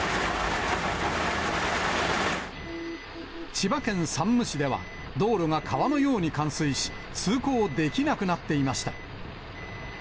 千葉県山武市では、道路が川のように冠水し、通行できなくなっていました。